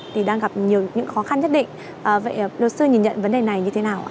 thì đang gặp nhiều những khó khăn nhất định vậy luật sư nhìn nhận vấn đề này như thế nào ạ